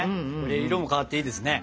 色も変わっていいですね。